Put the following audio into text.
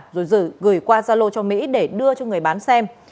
rồi gửi qua gia lô cho mỹ để đưa cho người bán xem